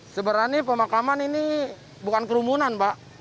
sebenarnya pemakaman ini bukan kerumunan pak